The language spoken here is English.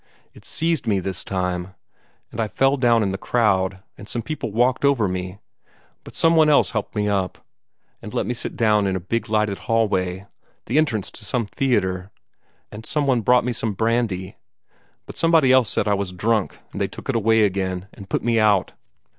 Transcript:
It seized me this time, and I fell down in the crowd, and some people walked over me, but some one else helped me up, and let me sit down in a big lighted hallway, the entrance to some theatre, and some one brought me some brandy, but somebody else said I was drunk, and they took it away again, and put me out.